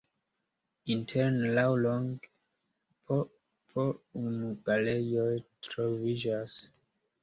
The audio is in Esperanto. Interne laŭlonge po unu galerioj troviĝas.